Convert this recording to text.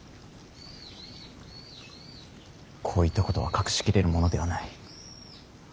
こういったことは隠し切れるものではない。